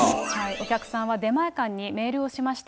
お客さんは出前館にメールをしました。